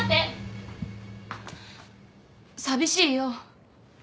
寂しいよ。